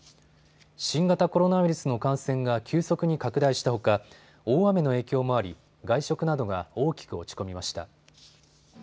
新型コロナウイルスの感染が急速に拡大したほか大雨の影響もあり、外食などが大きく落ち込みました。